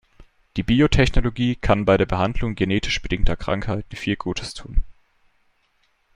Die Biotechnologie kann bei der Behandlung genetisch bedingter Krankheiten viel Gutes tun.